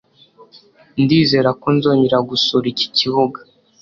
Ndizera ko nzongera gusura iki kibuga.